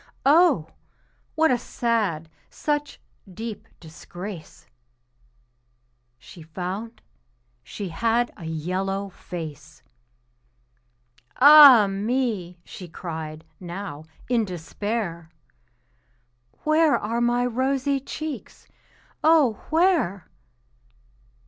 Oh! what a sad, such deep disgrace! She found she had a yellow face. "Ah, me!" she cried, now, in despair, "Where are my rosy cheeks oh, where?"